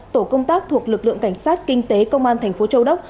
tổ công tác thuộc lực lượng cảnh sát kinh tế công an thành phố châu đốc